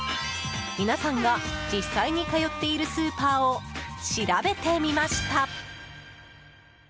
皆さんが実際に通っているスーパーを調べてみました。